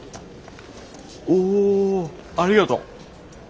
おありがとう。